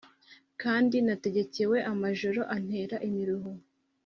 kandi nategekewe amajoro antera imiruho